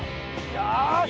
よし！